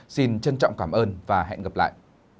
xin trân trọng cảm ơn và hẹn gặp lại